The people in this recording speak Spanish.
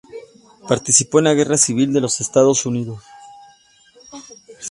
Participó en la guerra civil de los Estados Unidos.